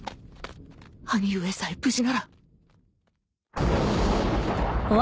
兄上さえ無事なら。